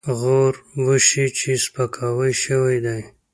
غور وشي چې سپکاوی شوی دی.